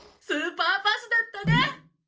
スーパーパスだったね！